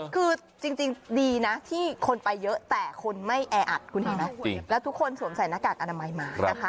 คือจริงน่ะคนไปเยอะแต่คนไม่แออะคุณฮิตนะแล้วทุกคนสวมใส่หน้ากากอันไลน์มา